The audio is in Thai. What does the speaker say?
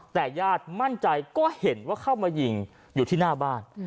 แต่ญาติมั่นใจก็เห็นว่าเข้ามายิงอยู่ที่หน้าบ้าน